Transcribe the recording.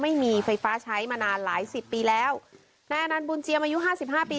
ไม่มีไฟฟ้าใช้มานานหลายสิบปีแล้วนายอนันต์บุญเจียมอายุห้าสิบห้าปี